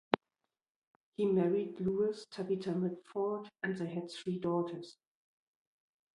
He married Lewis Tabitha Mitford and they had three daughters.